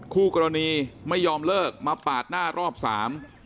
คู่กรณีไม่ยอมเลิกมาปาดหน้ารอบสาม